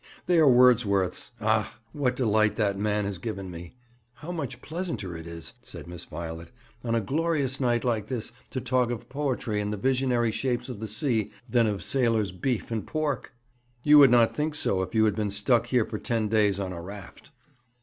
'They are Wordsworth's. Ach! What delight that man has given me.' 'How much pleasanter it is,' said Miss Violet, 'on a glorious night like this to talk of poetry, and the visionary shapes of the sea, than of sailors' beef and pork!' 'You would not think so if you had been stuck here for ten days on a raft.'